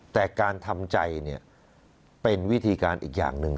แต่การทำใจเนี่ยเป็นวิธีการอีกอย่างหนึ่ง